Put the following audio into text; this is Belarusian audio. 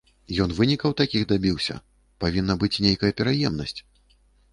Ён і вынікаў такіх дабіўся, павінна быць нейкая пераемнасць.